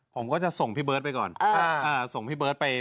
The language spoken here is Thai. ผมก็จะส่งพี่เบิร์ตไปก่อนส่งพี่เบิร์ตไป